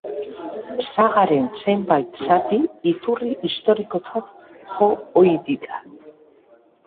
Sagaren zenbait zati iturri historikotzat jo ohi dira.